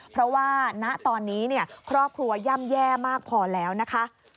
เพราะว่าณตอนนี้ครอบครัวย่ำแย่มากพอแล้วนะคะ